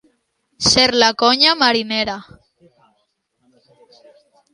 Ser la conya marinera.